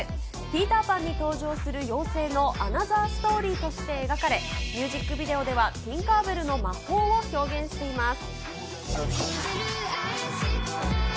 ピーターパンに登場する妖精のアナザーストーリーとして描かれ、ミュージックビデオでは、ティンカーベルの魔法を表現しています。